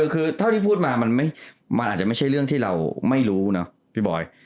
คือเท่าที่พูดมามันอาจจะไม่ใช่เรื่องที่เราไม่รู้เนอะพี่บอย